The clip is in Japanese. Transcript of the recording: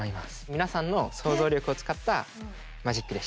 皆さんの想像力を使ったマジックでした。